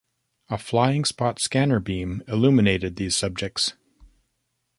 A flying-spot scanner beam illuminated these subjects.